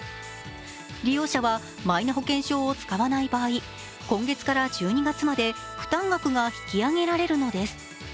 利用者はマイナ保険証を使わない場合、今月から１２月まで負担額が引き上げられるのです。